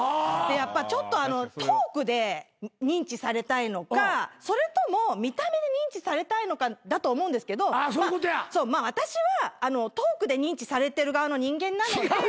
でやっぱトークで認知されたいのかそれとも見た目で認知されたいのかだと思うんですけどまあ私はトークで認知されてる側の人間なので。